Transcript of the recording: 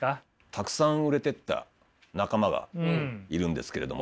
たくさん売れてった仲間がいるんですけれども。